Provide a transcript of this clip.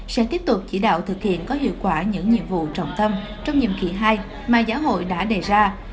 sẽ tiếp tục chỉ đạo thực hiện có hiệu quả những nhiệm vụ trọng tâm trong nhiệm kỳ hai mà giáo hội đã đề ra